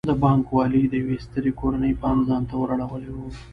د بانک والۍ د یوې سترې کورنۍ پام ځان ته ور اړولی و.